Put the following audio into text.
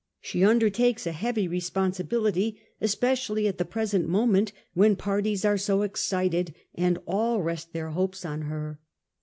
She undertakes a heavy responsibility, espe cially at the present moment, when parties are so excited, and all rest their hopes on her.